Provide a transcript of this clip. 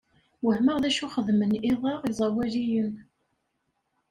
Wehmeɣ d acu xeddmen iḍ-a iẓawaliyen.